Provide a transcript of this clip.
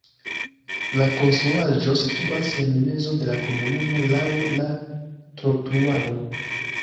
La konstruaĵo situas en mezo de la komunumo laŭ la trotuaro.